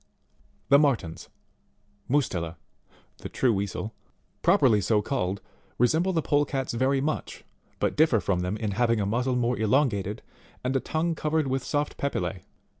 The MARTENS, Mu&tela, (the true Weasel) properly so called, resemble the Polecats very much, but differ from them in having a muzzle more elongated, and a tongue covered with soft papillae.